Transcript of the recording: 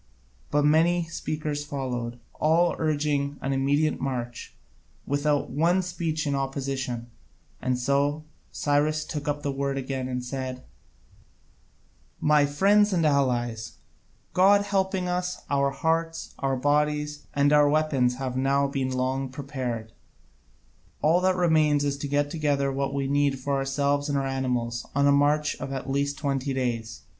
But many speakers followed, all urging an immediate march, without one speech in opposition, and so Cyrus took up the word again and said: "My friends and allies, God helping us, our hearts, our bodies, and our weapons have now been long prepared: all that remains is to get together what we need for ourselves and our animals on a march of at least twenty days.